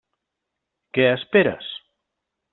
Què esperes?